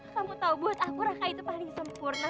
kamu tahu buat aku raka itu paling sempurna